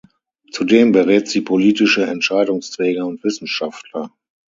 Zudem berät sie politische Entscheidungsträger und Wissenschaftler.